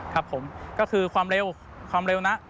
ก็คือความเร็วความเร็วนะ